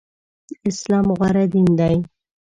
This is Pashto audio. اسلام غوره دين دی.